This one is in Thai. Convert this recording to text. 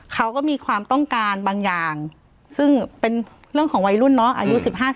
เขาก็มีความต้องการบางอย่างซึ่งเป็นเรื่องของวัยรุ่นเนาะอายุ๑๕